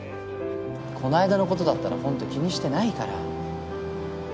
この間のことだったらホント気にしてないから。